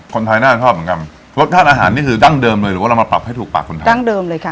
คนไทยน่าจะชอบเหมือนกันรสชาติอาหารนี่คือดั้งเดิมเลยหรือว่าเรามาปรับให้ถูกปากคนไทยดั้งเดิมเลยค่ะ